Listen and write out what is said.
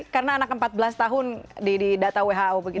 karena anak empat belas tahun di data who begitu